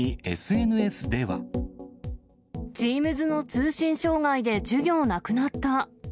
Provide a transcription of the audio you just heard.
Ｔｅａｍｓの通信障害で授業なくなった。